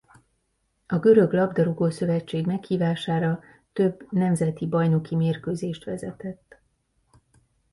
A Görög labdarúgó-szövetség meghívására több nemzeti bajnoki mérkőzést vezetett.